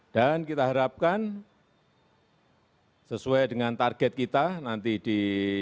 dan kita harapkan sesuai dengan target kita nanti di dua ribu dua puluh